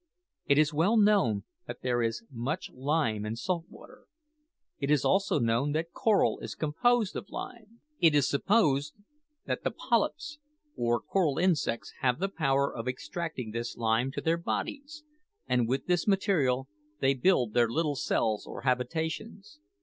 It is well known that there is much lime in salt water; it is also known that coral is composed of lime. It is supposed that the polypes, or coral insects, have the power of attracting this lime to their bodies, and with this material they build their little cells or habitations.